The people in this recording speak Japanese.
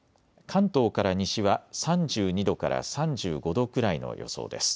関東から西は３２度から３５度くらいの予想です。